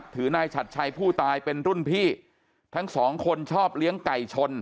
นายฉัดชัยผู้ตายเป็นรุ่นพี่ทั้งสองคนชอบเลี้ยงไก่ชน